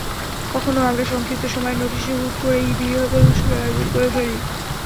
কখনো আমরা সংক্ষিপ্ত সময়ের নোটিশে হুট করেই বৃহৎ অনুষ্ঠানের আয়োজন করে ফেলি।